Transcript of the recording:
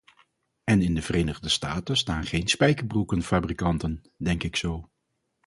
En in de Verenigde Staten staan geen spijkerbroekenfabrieken, denk ik zo.